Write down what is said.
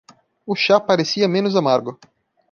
O chá parecia menos amargo.